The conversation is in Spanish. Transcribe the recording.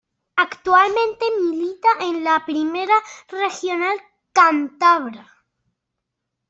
Actualmente milita en la Primera Regional cántabra.